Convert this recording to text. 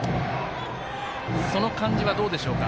その感じはどうでしょうか？